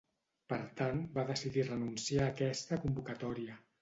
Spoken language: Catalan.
Per tant, va decidir renunciar a aquesta convocatòria.